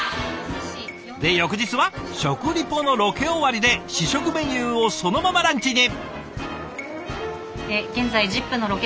で翌日は食リポのロケ終わりで試食メニューをそのままランチに。